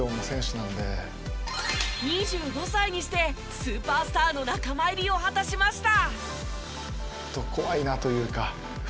２５歳にしてスーパースターの仲間入りを果たしました。